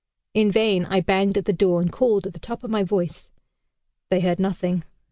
In vain I banged at the door and called at the top of my voice they heard nothing."